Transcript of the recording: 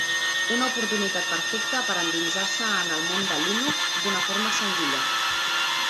Una oportunitat perfecta per endinsar-se en el món de Linux d'una forma senzilla.